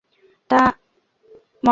তা, মদ কি সব ফেলে দিয়েছ?